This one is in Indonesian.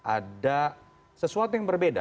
ada sesuatu yang berbeda